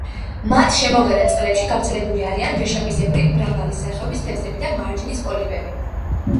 მათ შემოგარენ წყლებში გავრცელებული არიან ვეშაპისებრნი, მრავალი სახეობის თევზები და მარჯნის პოლიპები.